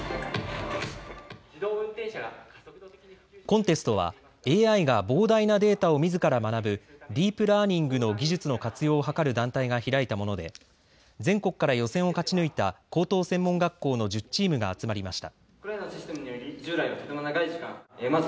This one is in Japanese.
コンテストはＡＩが膨大なデータをみずから学ぶディープラーニングの技術の活用を図る団体が開いたもので全国から予選を勝ち抜いた高等専門学校の１０チームが集まりました。